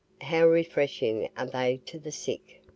How refreshing are they to the sick!